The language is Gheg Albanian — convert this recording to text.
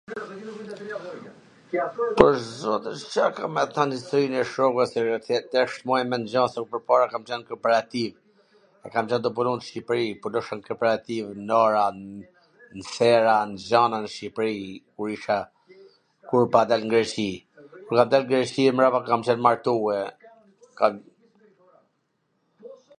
Pwr zotin, Ca kam me than historin e shokve .... tash s maj men gja, se un pwrpara kam qen n koperativ, kur kam qwn tu punu n Shqipri, n kooperativ, n ora ... nxhana nw Shqipri, kur isha, kur pata ardh n Greqi, kur kam daln Greqi e mrapa kam qen martue, kam...